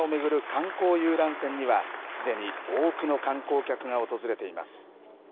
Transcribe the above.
観光遊覧船にはすでに多くの観光客が訪れています。